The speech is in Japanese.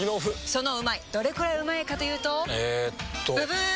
そのうまいどれくらいうまいかというとえっとブブー！